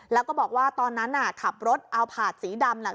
แล้วก็บอกว่าตอนนั้นน่ะขับรถเอาผาดสีดำ